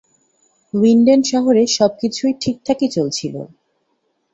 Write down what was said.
উইন্ডেন শহরে সবকিছুই ঠিকঠাকই চলছিলো।